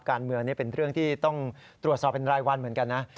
การเมืองนี่เป็นเรื่องที่ต้องตรวจสอบเป็นรายวันเหมือนกันนะ